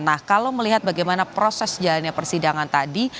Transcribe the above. nah kalau melihat bagaimana proses jalannya persidangan tadi